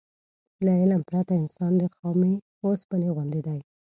له علم پرته انسان د خامې اوسپنې غوندې دی.